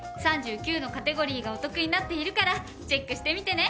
３９のカテゴリーがお得になっているからチェックしてみてね。